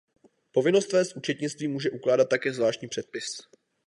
Povinnost vést účetnictví může ukládat také zvláštní předpis.